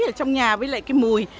ở trong nhà với lại cái mùi